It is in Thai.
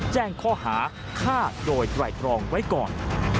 แจ้งข้อหาฆ่าโดยไตรตรองไว้ก่อน